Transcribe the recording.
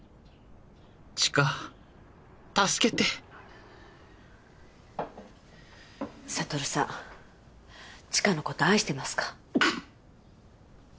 知花助けて悟さん知花のこと愛してますか？